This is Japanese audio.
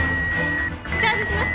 チャージしました。